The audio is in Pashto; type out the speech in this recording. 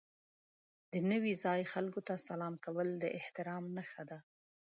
د نوي ځای خلکو ته سلام کول د احترام نښه ده.